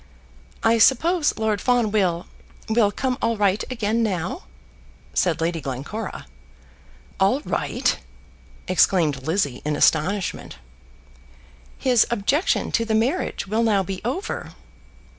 "I suppose Lord Fawn will will come all right again now?" said Lady Glencora. "All right!" exclaimed Lizzie in astonishment. "His objection to the marriage will now be over."